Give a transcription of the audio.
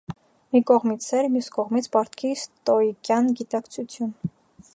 Մի կողմից սեր, մյուս կողմից պարտքի ստոիկյան գիտակցություն: